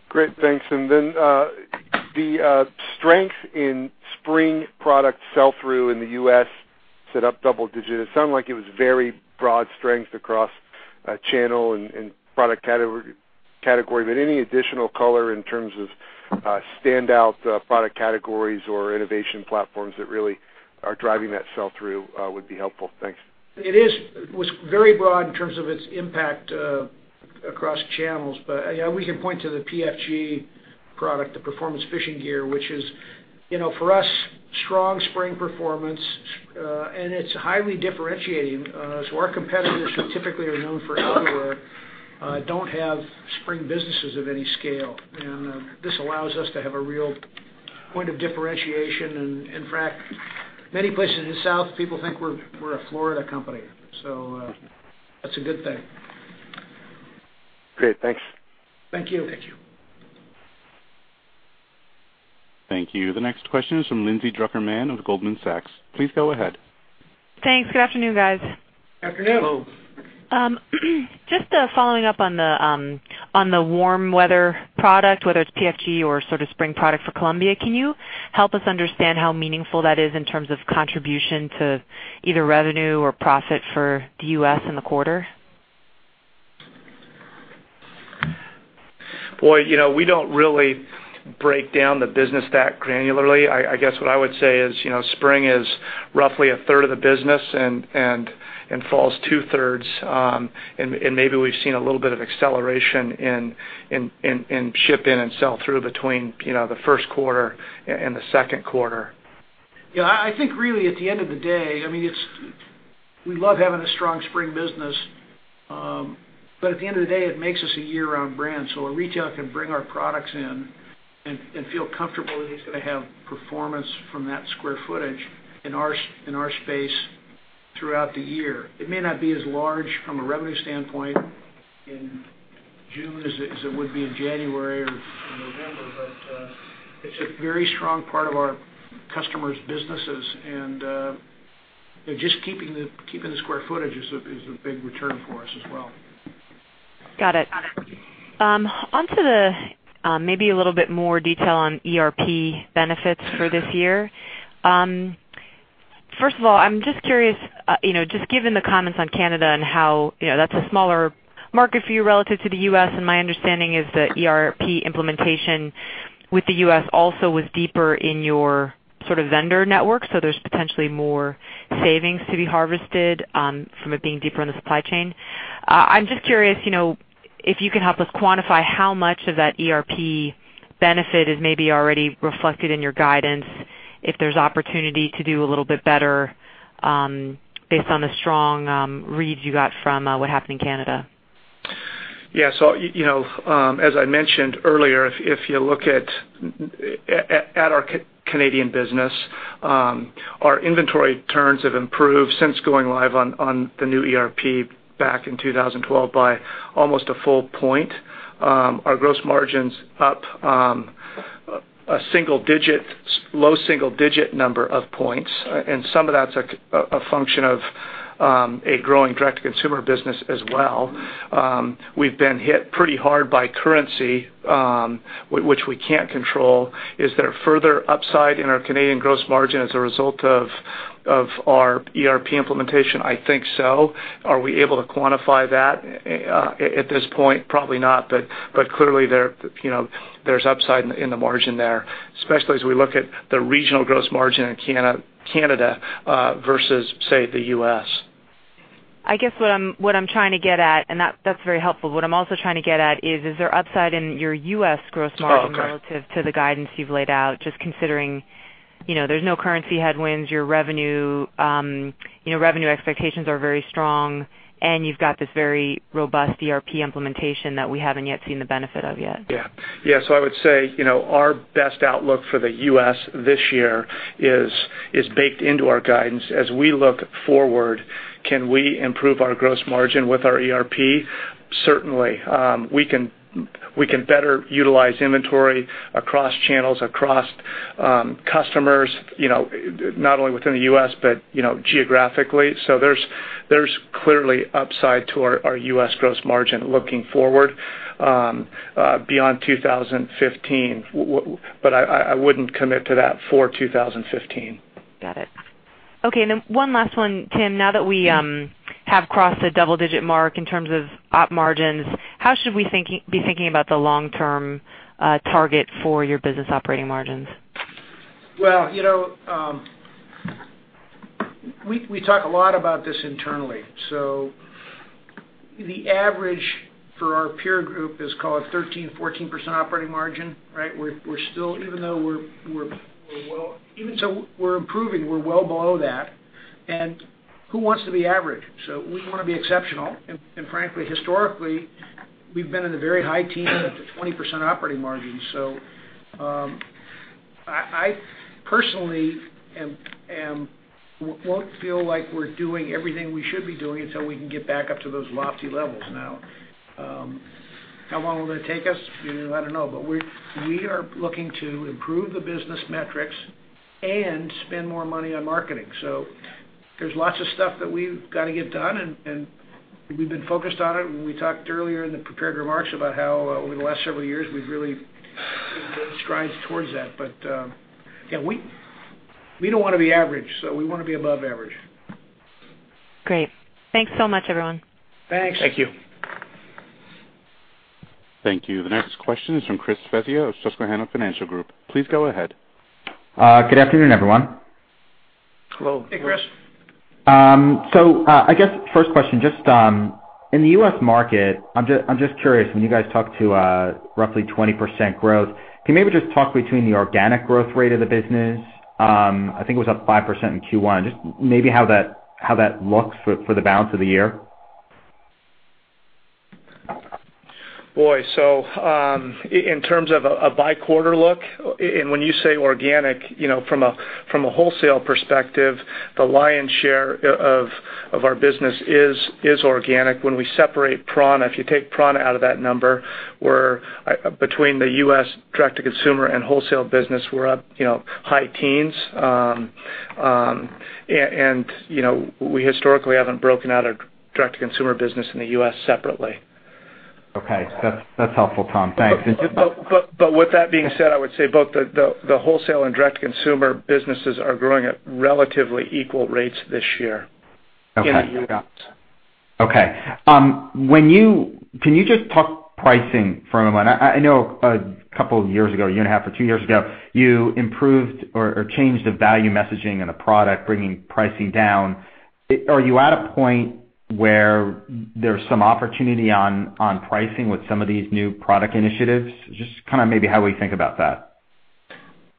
Great, thanks. The strength in spring product sell-through in the U.S. set up double digits. It sounded like it was very broad strength across channel and product category. Any additional color in terms of standout product categories or innovation platforms that really are driving that sell-through would be helpful. Thanks. It was very broad in terms of its impact across channels. We can point to the PFG product, the Performance Fishing Gear, which is, for us, strong spring performance, and it's highly differentiating. Our competitors who typically are known for outerwear don't have spring businesses of any scale. This allows us to have a real point of differentiation. In fact, many places in the South, people think we're a Florida company. That's a good thing. Great. Thanks. Thank you. Thank you. Thank you. The next question is from Lindsay Drucker Mann of Goldman Sachs. Please go ahead. Thanks. Good afternoon, guys. Afternoon. Hello. Just following up on the warm weather product, whether it's PFG or sort of spring product for Columbia, can you help us understand how meaningful that is in terms of contribution to either revenue or profit for the U.S. in the quarter? Boy, we don't really break down the business that granularly. I guess what I would say is, spring is roughly a third of the business, and fall is two-thirds. Maybe we've seen a little bit of acceleration in ship-in and sell-through between the first quarter and the second quarter. Yeah. I think really at the end of the day, we love having a strong spring business. At the end of the day, it makes us a year-round brand. A retailer can bring our products in and feel comfortable that he's going to have performance from that square footage in our space throughout the year. It may not be as large from a revenue standpoint in June as it would be in January or November. It's a very strong part of our customers' businesses. Just keeping the square footage is a big return for us as well. Got it. On to the maybe a little bit more detail on ERP benefits for this year. First of all, I'm just curious, just given the comments on Canada and how that's a smaller market for you relative to the U.S., my understanding is that ERP implementation with the U.S. also was deeper in your sort of vendor network, there's potentially more savings to be harvested from it being deeper in the supply chain. I'm just curious, if you can help us quantify how much of that ERP benefit is maybe already reflected in your guidance, if there's opportunity to do a little bit better based on the strong reads you got from what happened in Canada. Yeah. As I mentioned earlier, if you look at our Canadian business, our inventory turns have improved since going live on the new ERP back in 2012 by almost a full point. Our gross margin's up a low single-digit number of points. Some of that's a function of a growing direct-to-consumer business as well. We've been hit pretty hard by currency, which we can't control. Is there further upside in our Canadian gross margin as a result of our ERP implementation? I think so. Are we able to quantify that at this point? Probably not. Clearly, there's upside in the margin there, especially as we look at the regional gross margin in Canada versus, say, the U.S. I guess what I'm trying to get at, and that's very helpful. What I'm also trying to get at is there upside in your U.S. gross margin- Oh, okay relative to the guidance you've laid out? Just considering, there's no currency headwinds, your revenue expectations are very strong, and you've got this very robust ERP implementation that we haven't yet seen the benefit of yet. Yeah. I would say, our best outlook for the U.S. this year is baked into our guidance. As we look forward, can we improve our gross margin with our ERP? Certainly. We can better utilize inventory across channels, across customers, not only within the U.S., but geographically. There's clearly upside to our U.S. gross margin looking forward beyond 2015. I wouldn't commit to that for 2015. Got it. Okay, one last one, Tim. Now that we have crossed the double-digit mark in terms of op margins, how should we be thinking about the long-term target for your business operating margins? Well, we talk a lot about this internally. The average for our peer group is call it 13%-14% operating margin, right? Even so we're improving, we're well below that, and who wants to be average? We want to be exceptional. Frankly, historically, we've been in the very high teens up to 20% operating margin. I personally won't feel like we're doing everything we should be doing until we can get back up to those lofty levels. Now, how long will that take us? I don't know. We are looking to improve the business metrics and spend more money on marketing. There's lots of stuff that we've got to get done, and we've been focused on it. We talked earlier in the prepared remarks about how, over the last several years, we've really made strides towards that. Yeah, we don't want to be average. We want to be above average. Great. Thanks so much, everyone. Thanks. Thank you. Thank you. The next question is from Christopher Svezia of Susquehanna Financial Group. Please go ahead. Good afternoon, everyone. Hello. Hey, Chris. I guess first question, just in the U.S. market, I'm just curious, when you guys talk to roughly 20% growth, can you maybe just talk between the organic growth rate of the business? I think it was up 5% in Q1. Just maybe how that looks for the balance of the year. In terms of a by-quarter look, when you say organic, from a wholesale perspective, the lion's share of our business is organic. When we separate prAna, if you take prAna out of that number, between the U.S. direct-to-consumer and wholesale business, we're up high teens. We historically haven't broken out our direct-to-consumer business in the U.S. separately. Okay. That's helpful, Tom. Thanks. With that being said, I would say both the wholesale and direct-to-consumer businesses are growing at relatively equal rates this year. Okay in the U.S. Okay. Can you just talk pricing for a moment? I know a couple of years ago, a year and a half or two years ago, you improved or changed the value messaging and the product, bringing pricing down. Are you at a point where there's some opportunity on pricing with some of these new product initiatives? Just maybe how we think about that.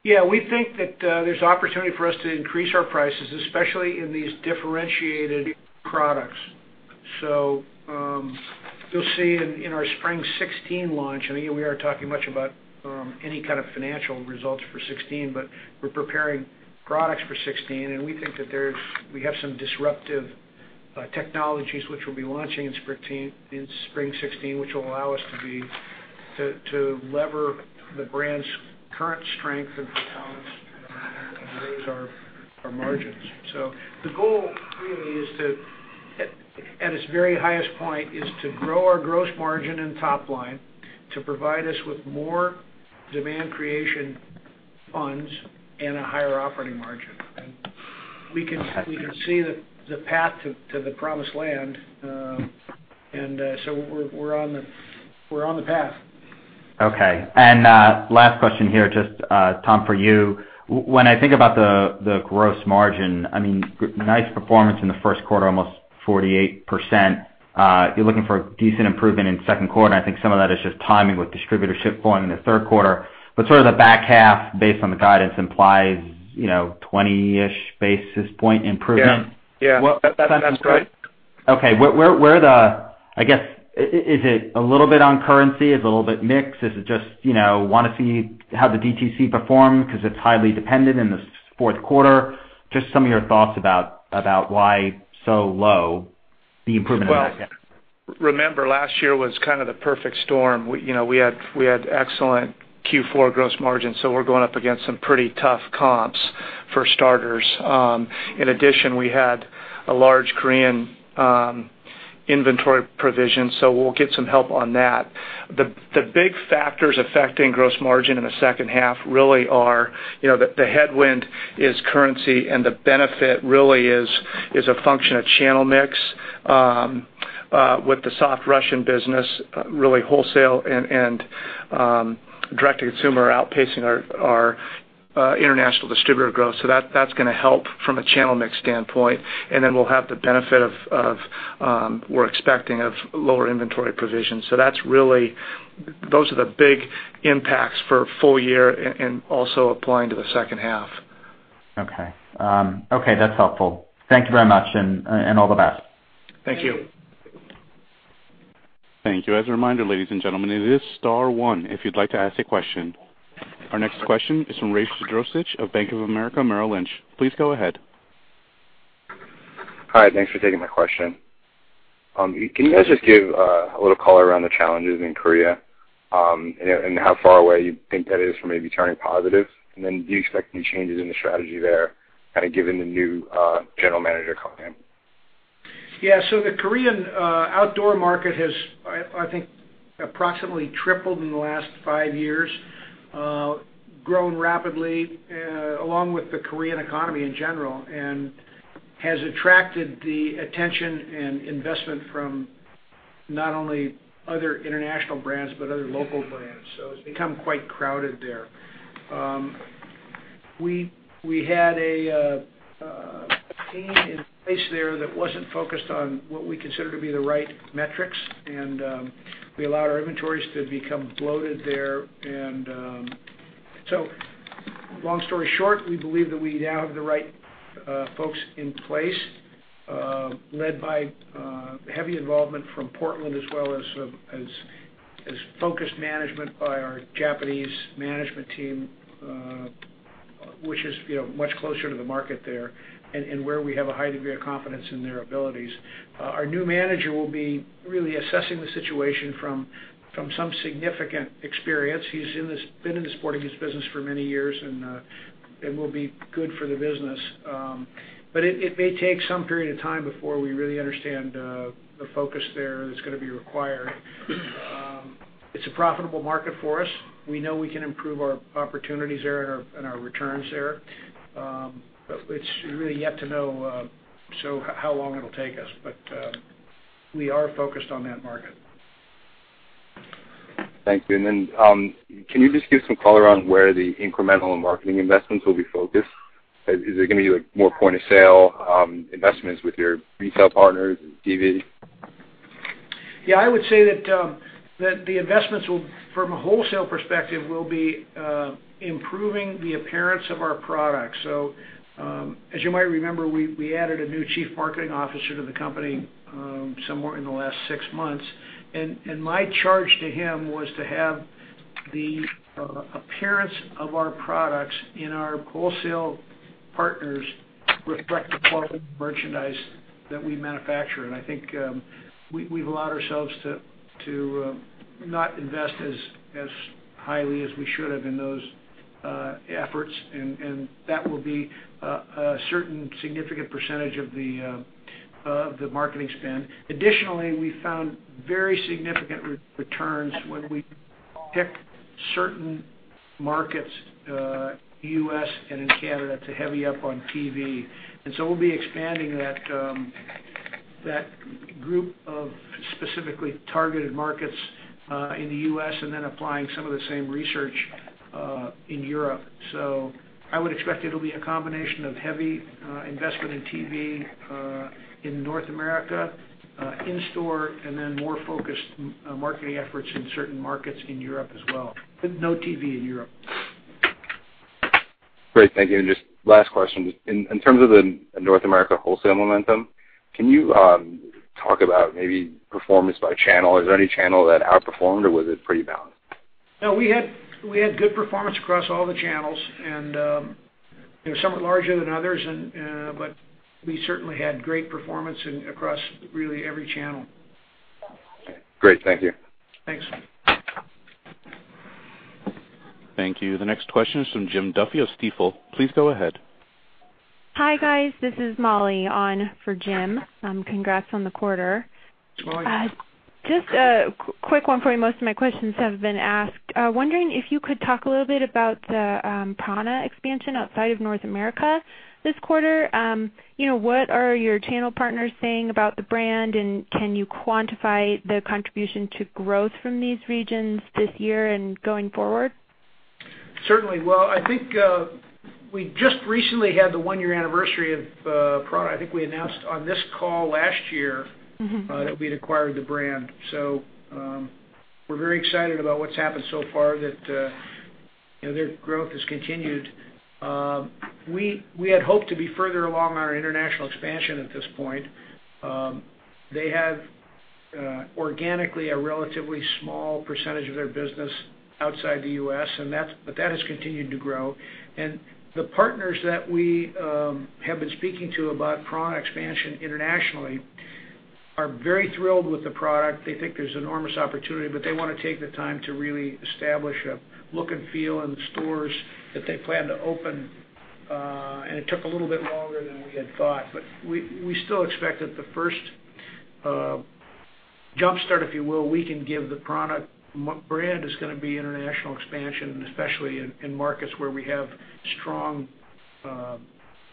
Yeah. We think that there's opportunity for us to increase our prices, especially in these differentiated products. You'll see in our spring 2016 launch, I know we aren't talking much about any kind of financial results for 2016. We're preparing products for 2016, and we think that we have some disruptive technologies which we'll be launching in spring 2016, which will allow us to lever the brand's current strength and prowess and raise our margins. The goal really, at its very highest point, is to grow our gross margin and top line to provide us with more demand creation funds and a higher operating margin. We can see the path to the promised land. We're on the path. Okay. Last question here, just, Tom, for you. When I think about the gross margin, nice performance in the first quarter, almost 48%. You're looking for a decent improvement in the second quarter, I think some of that is just timing with distributorship going in the third quarter. Sort of the back half, based on the guidance, implies 20-ish basis point improvement. Yeah. That's right. Okay. I guess, is it a little bit on currency? Is it a little bit mix? Is it just want to see how the DTC performs because it's highly dependent in the fourth quarter? Just some of your thoughts about why so low, the improvement in that. Well, remember, last year was kind of the perfect storm. We had excellent Q4 gross margins, we're going up against some pretty tough comps for starters. In addition, we had a large Korean inventory provision, we'll get some help on that. The big factors affecting gross margin in the second half really are the headwind is currency and the benefit really is a function of channel mix with the soft Russian business, really wholesale and direct-to-consumer outpacing our international distributor growth. That's going to help from a channel mix standpoint. We'll have the benefit of, we're expecting, of lower inventory provisions. Those are the big impacts for a full year and also applying to the second half. Okay. That's helpful. Thank you very much, and all the best. Thank you. Thank you. As a reminder, ladies and gentlemen, it is star one if you'd like to ask a question. Our next question is from Rafe Jadrosich of Bank of America Merrill Lynch. Please go ahead. Hi, thanks for taking my question. Can you guys just give a little color around the challenges in Korea, and how far away you think that is from maybe turning positive? Do you expect any changes in the strategy there, given the new general manager coming in? Yeah. The Korean outdoor market has, I think, approximately tripled in the last five years. Grown rapidly along with the Korean economy in general, has attracted the attention and investment from not only other international brands but other local brands. It's become quite crowded there. We had a team in place there that wasn't focused on what we consider to be the right metrics, we allowed our inventories to become bloated there. Long story short, we believe that we now have the right folks in place, led by heavy involvement from Portland as well as focused management by our Japanese management team, which is much closer to the market there and where we have a high degree of confidence in their abilities. Our new manager will be really assessing the situation from some significant experience. He's been in the sporting goods business for many years, will be good for the business. It may take some period of time before we really understand the focus there that's going to be required. It's a profitable market for us. We know we can improve our opportunities there and our returns there. It's really yet to know how long it'll take us. We are focused on that market. Thanks. Can you just give some color on where the incremental and marketing investments will be focused? Is it going to be more point-of-sale investments with your retail partners and TV? I would say that the investments, from a wholesale perspective, will be improving the appearance of our products. As you might remember, we added a new chief marketing officer to the company somewhere in the last six months. My charge to him was to have The appearance of our products in our wholesale partners reflect the quality of merchandise that we manufacture. I think we've allowed ourselves to not invest as highly as we should have in those efforts. That will be a certain significant percentage of the marketing spend. Additionally, we found very significant returns when we pick certain markets, U.S. and in Canada, to heavy up on TV. We'll be expanding that group of specifically targeted markets in the U.S. and then applying some of the same research, in Europe. I would expect it'll be a combination of heavy investment in TV in North America, in-store, and then more focused marketing efforts in certain markets in Europe as well. No TV in Europe. Great. Thank you. Just last question. In terms of the North America wholesale momentum, can you talk about maybe performance by channel? Is there any channel that outperformed or was it pretty balanced? No, we had good performance across all the channels and some are larger than others, but we certainly had great performance across really every channel. Great. Thank you. Thanks. Thank you. The next question is from Jim Duffy of Stifel. Please go ahead. Hi, guys. This is Molly on for Jim. Congrats on the quarter. Molly. Just a quick one for you. Most of my questions have been asked. Wondering if you could talk a little bit about the prAna expansion outside of North America this quarter. What are your channel partners saying about the brand, and can you quantify the contribution to growth from these regions this year and going forward? Certainly. Well, I think we just recently had the one-year anniversary of prAna. I think we announced on this call last year- that we'd acquired the brand. We're very excited about what's happened so far that their growth has continued. We had hoped to be further along our international expansion at this point. They have organically, a relatively small percentage of their business outside the U.S. but that has continued to grow. The partners that we have been speaking to about prAna expansion internationally are very thrilled with the product. They think there's enormous opportunity, but they want to take the time to really establish a look and feel in the stores that they plan to open. It took a little bit longer than we had thought, but we still expect that the first jumpstart, if you will, we can give the prAna brand is gonna be international expansion, especially in markets where we have strong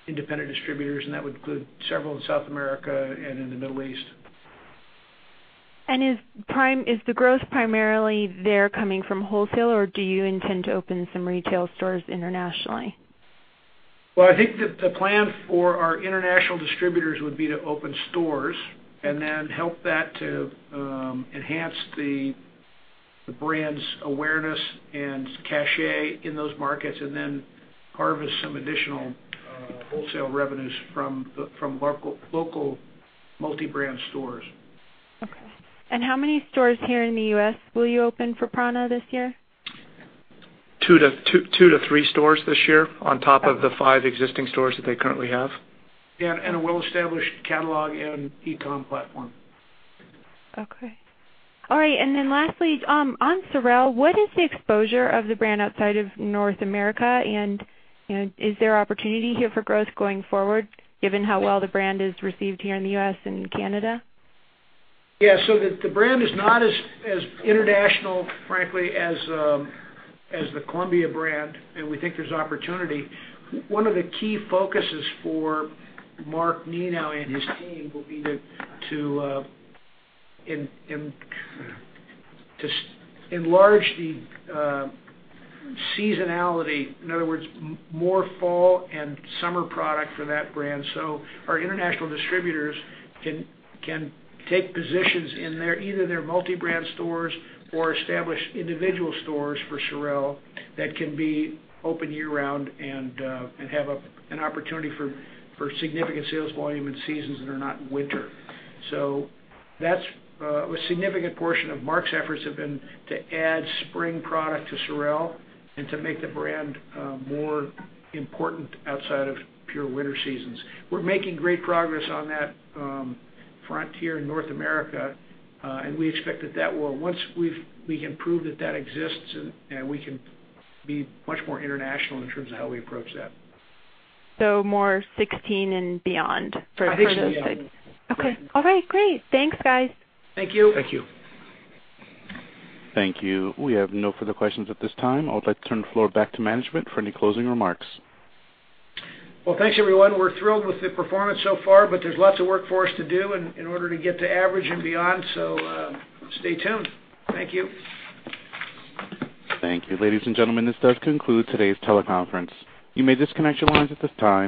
independent distributors, and that would include several in South America and in the Middle East. Is the growth primarily there coming from wholesale, or do you intend to open some retail stores internationally? Well, I think the plan for our international distributors would be to open stores and then help that to enhance the brand's awareness and cachet in those markets, and then harvest some additional wholesale revenues from local multi-brand stores. Okay. How many stores here in the U.S. will you open for prAna this year? 2-3 stores this year on top of the five existing stores that they currently have. Yeah, a well-established catalog and e-com platform. Okay. All right. Lastly, on Sorel, what is the exposure of the brand outside of North America? Is there opportunity here for growth going forward given how well the brand is received here in the U.S. and Canada? Yeah. The brand is not as international, frankly, as the Columbia brand. We think there's opportunity. One of the key focuses for Mark Nenow and his team will be to enlarge the seasonality. In other words, more fall and summer product for that brand. Our international distributors can take positions in either their multi-brand stores or establish individual stores for Sorel that can be open year-round and have an opportunity for significant sales volume in seasons that are not winter. That's a significant portion of Mark's efforts have been to add spring product to Sorel and to make the brand more important outside of pure winter seasons. We're making great progress on that frontier in North America, and we expect that once we can prove that exists and we can be much more international in terms of how we approach that. More 2016 and beyond for those things. I think so, yeah. Okay. All right. Great. Thanks, guys. Thank you. Thank you. Thank you. We have no further questions at this time. I would like to turn the floor back to management for any closing remarks. Well, thanks everyone. We're thrilled with the performance so far, there's lots of work for us to do in order to get to average and beyond. Stay tuned. Thank you. Thank you. Ladies and gentlemen, this does conclude today's teleconference. You may disconnect your lines at this time.